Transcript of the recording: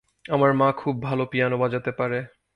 আমার মা খুব ভাল পিয়ানো বাজাতে পারে।